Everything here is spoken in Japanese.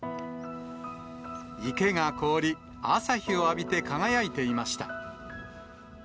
池が凍り、朝日を浴びて輝いていました。